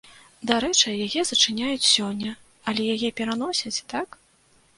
Дарэчы, яе зачыняюць сёння, але яе пераносяць, так?